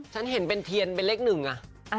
ฉันเห็นเป็นเทียนเป็นเลขหนึ่งอ่ะ